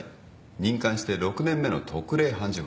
任官して６年目の特例判事補。